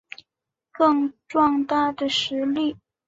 更壮大的实力